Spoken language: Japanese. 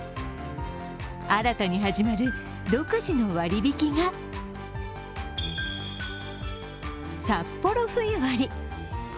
新たに始まる独自の割引がサッポロ冬割。